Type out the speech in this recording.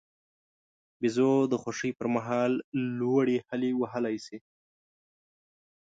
بیزو د خوښۍ پر مهال لوړې هلې وهلای شي.